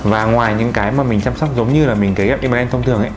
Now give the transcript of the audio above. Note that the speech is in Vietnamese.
và ngoài những cái mà mình chăm sóc giống như là mình kế ghép im lên thông thường ấy